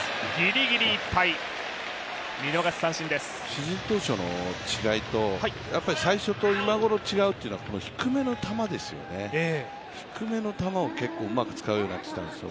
シーズン当初の違いと、最初と今ごろの違いというのはこの低めの球をうまく使うようになってきたんですよ。